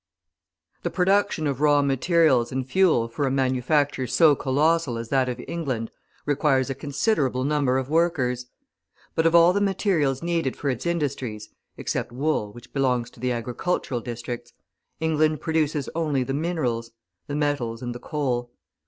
The production of raw materials and fuel for a manufacture so colossal as that of England requires a considerable number of workers. But of all the materials needed for its industries (except wool, which belongs to the agricultural districts), England produces only the minerals: the metals and the coal.